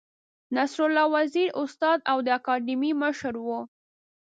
نصرالله وزیر یې استاد او د اکاډمۍ مشر و.